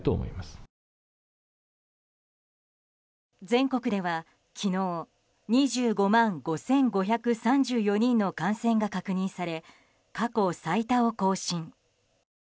全国では昨日２５万５５３４人の感染が確認され過去最多を更新。